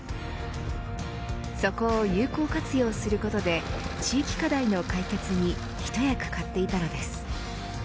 そこを有効活用することで地域課題の解決に一役買っていたのです。